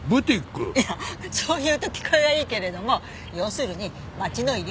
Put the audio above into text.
そう言うと聞こえはいいけれども要するに街の衣料品店。